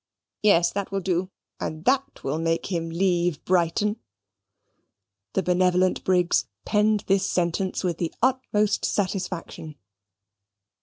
Yes, that will do; and that will make him leave Brighton." The benevolent Briggs penned this sentence with the utmost satisfaction.